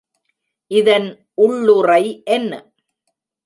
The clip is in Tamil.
இதன் உள்ளுறை என்ன?